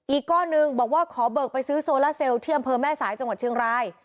อีกก้อนหนึ่งบอกว่าขอเบิกไปซื้อโซล่าเซลที่อำเภอแม่สายจังหวัดเชียงราย